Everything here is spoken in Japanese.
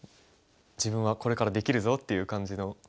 「自分はこれからできるぞ」っていう感じの。